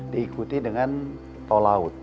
diikuti dengan tol laut